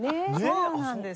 そうなんです。